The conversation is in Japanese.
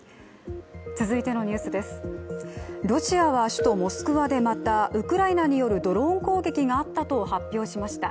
ロシアは首都モスクワでまた、ウクライナによるドローン攻撃があったと発表しました。